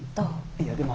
いやでも。